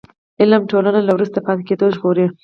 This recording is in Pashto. علم ټولنه له وروسته پاتې کېدو ژغوري.